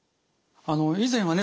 以前はね